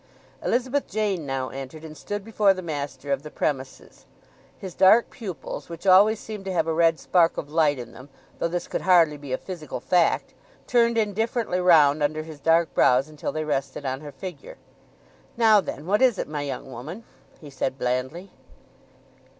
Elizabeth Jane now entered, and stood before the master of the premises. His dark pupils—which always seemed to have a red spark of light in them, though this could hardly be a physical fact—turned indifferently round under his dark brows until they rested on her figure. "Now then, what is it, my young woman?" he said blandly.